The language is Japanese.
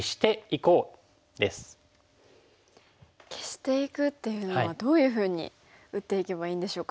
消していくっていうのはどういうふうに打っていけばいいんでしょうか。